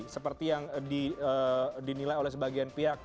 seperti yang dinilai oleh sebagian pihak